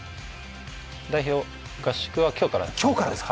代表合宿は今日からです。